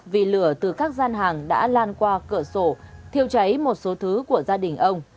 vì lửa từ các gian hàng đã lan qua cửa sổ thiêu cháy một số thứ của gia đình ông